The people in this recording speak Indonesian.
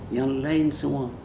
yang lain semua